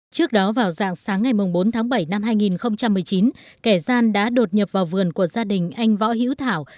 trước đó vào dạng sáng ngày bốn tháng bảy năm hai nghìn một mươi chín kẻ gian đã đột nhập vào vườn của gia đình anh võ hữu thảo